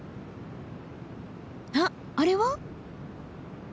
あっあれは？